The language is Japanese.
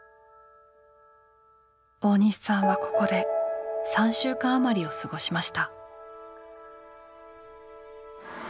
大西さんはここで３週間余りを過ごしました。